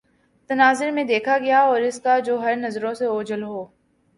تناظرمیں دیکھا گیا اور اس کا جوہرنظروں سے اوجھل ہو